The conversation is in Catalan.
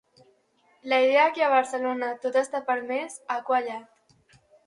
La idea que a Barcelona tot està permès ha cuallat